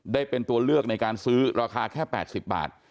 ได้เป็นตัวเลือกในการซื้อราคาแค่๘๐บาท